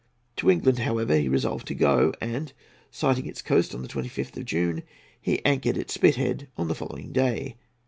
To England, however, he resolved to go; and, sighting its coast on the 25th of June, he anchored at Spithead on the following day.